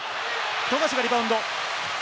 富樫がリバウンド。